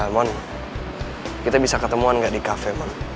mon kita bisa ketemuan gak di cafe mon